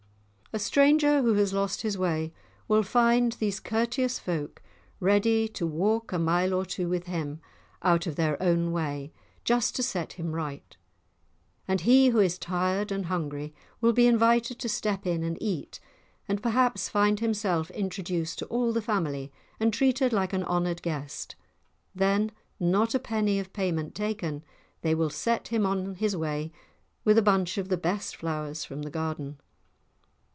A stranger who has lost his way will find these courteous folk ready to walk a mile or two with him, out of their own way, just to set him right; and he who is tired and hungry will be invited to step in and eat, and perhaps find himself introduced to all the family and treated like an honoured guest; then, not a penny of payment taken, they will set him on his way with a bunch of the best flowers from the garden!